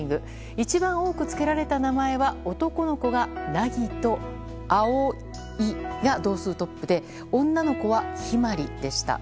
一番多くつけられた名前は男の子が凪と蒼が同数トップで女の子は陽葵でした。